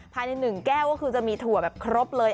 ภายในหนึ่งแก้วว่าคือจะมีถั่วแบบครบเลย